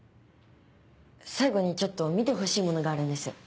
最後にちょっと見てほしいものがあるんです。